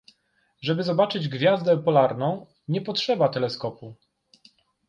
Żeby zobaczyć Gwiazdę Polarną nie potrzeba teleskopu.